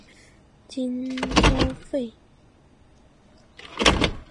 金朝废。